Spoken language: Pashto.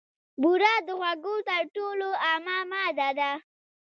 بوره د خوږو تر ټولو عامه ماده ده.